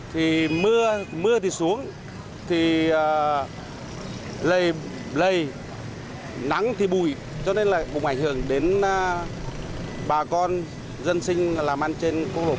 thì mưa mưa thì xuống thì lây lây nắng thì bùi cho nên là bụng ảnh hưởng đến bà con dân sinh làm ăn trên quốc lộ bốn mươi tám